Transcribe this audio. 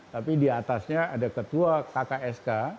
tapi di atasnya ada ketua kksk